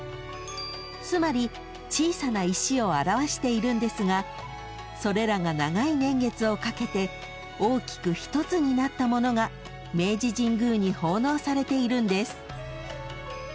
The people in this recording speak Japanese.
［つまり小さな石を表しているんですがそれらが長い年月をかけて大きく一つになったものが明治神宮に奉納されているんです］